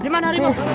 di mana arimau